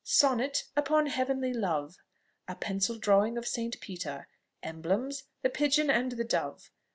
Sonnet upon heavenly love; A pencil drawing of Saint Peter. Emblems the pigeon and the dove.